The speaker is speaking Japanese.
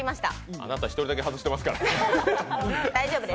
あなた１人だけ外してますから。